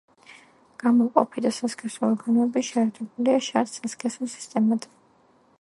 გამომყოფი და სასქესო ორგანოები შეერთებულია შარდ-სასქესო სისტემად.